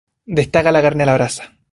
Destaca la carne a la brasa.